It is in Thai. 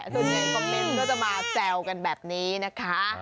ส่วนใหญ่คอมเมนต์ก็จะมาแซวกันแบบนี้นะคะ